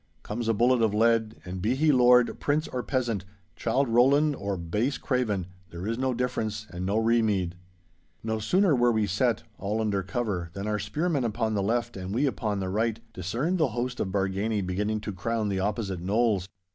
Comes a bullet of lead and be he lord, prince, or peasant, Childe Roland or base craven, there is no difference and no remead.' No sooner were we set, all under cover, than our spearmen upon the left and we upon the right, discerned the host of Bargany beginning to crown the opposite knolls.